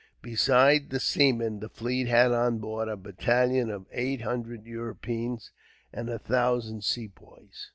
Besides the seamen, the fleet had on board a battalion of eight hundred Europeans and a thousand Sepoys.